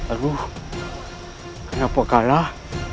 aduh kenapa kalah